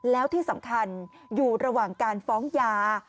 แล้วที่สำคัญอยู่ระหว่างการฟ้องยา